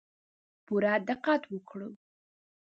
پوره دقت وکړو.